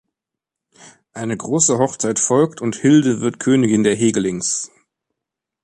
Eine große Hochzeit folgt und Hilde wird Königin der Hegelings.